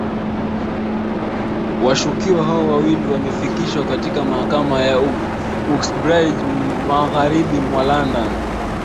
Washukiwa hao wawili wamefikishwa katika mahakama ya Uxbridge magharibi mwa London